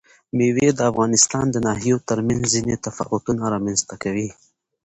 مېوې د افغانستان د ناحیو ترمنځ ځینې تفاوتونه رامنځ ته کوي.